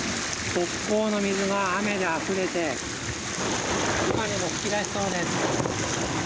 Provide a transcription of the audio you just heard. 側溝の水が雨であふれて今にも噴き出しそうです。